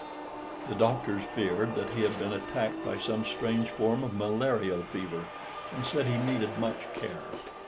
The doctors feared that he had been attacked by some strange form of malarial fever, and said he needed much care.